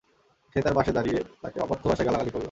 সে তার পাশে দাড়িয়ে তাঁকে অকথ্য ভাষায় গালাগালি করল।